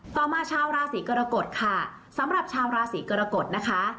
ต่อมาชาวราศีกรกฎค่ะสำหรับชาวราศีกรกฎนะคะ